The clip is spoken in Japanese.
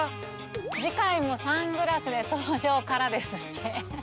「次回もサングラスで登場から」ですって。